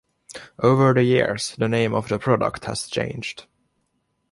Over the years the name of the product has changed.